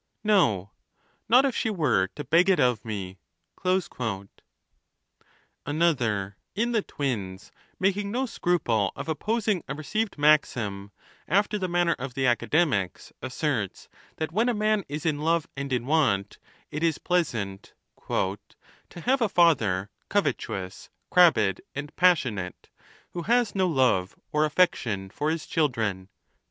no, not if she were to beg it of me. Another, in the Twins, making no scruple of opposing a received maxim, after the manner of the Academics, as serts that when a man is in love and in want, it is pleas ant To have a father covetous, crabbed, and passionate, Who has no love or aifection for his children.